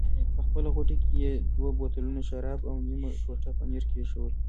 په خپله غوټه کې یې دوه بوتلونه شراب او نیمه ټوټه پنیر کېښوول.